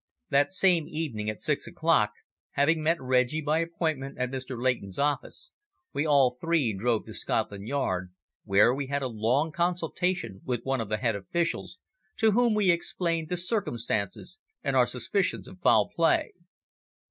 That same evening at six o'clock, having met Reggie by appointment at Mr. Leighton's office, we all three drove to Scotland Yard, where we had a long consultation with one of the head officials, to whom we explained the circumstances and our suspicions of foul play.